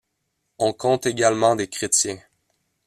On compte également des chrétiens.